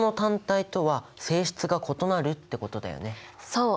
そう！